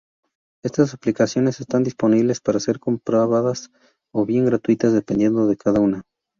Estas aplicaciones están disponibles para ser compradas o bien gratuitas, dependiendo de cada una.